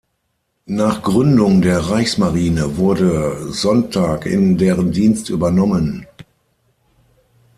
Nach Gründung der Reichsmarine wurde Sontag in deren Dienst übernommen.